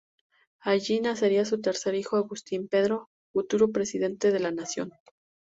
Allí nacería su tercer hijo, Agustín Pedro, futuro presidente de la Nación.